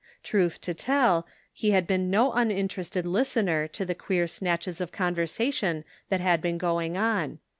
Truth to tell, he had been no unin terested listener to the queer snatches of con versation that had been going on.